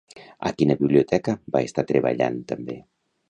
A quina biblioteca va estar treballant també?